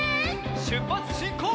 しゅっぱつしんこう！